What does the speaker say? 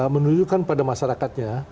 menunjukkan pada masyarakatnya